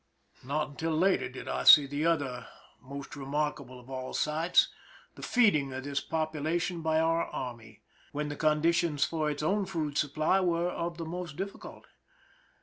Not till later did I see that other, most remarkable of all sights, the feeding of this population by our army, when the conditions for its own food supply were of the most difficult.